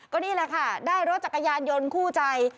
ก็นี่แหละค่ะได้รถจักรยานยนต์คู่ใจ